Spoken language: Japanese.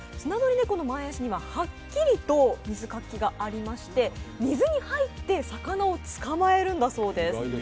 スナドリネコの前足にはしっかりと水かきがありまして、水に入って魚を捕まえるんだそうです。